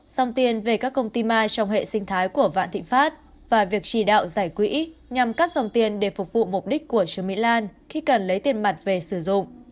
xong tiền về các công ty mai trong hệ sinh thái của vạn thịnh pháp và việc chỉ đạo giải quỹ nhằm cắt dòng tiền để phục vụ mục đích của trương mỹ lan khi cần lấy tiền mặt về sử dụng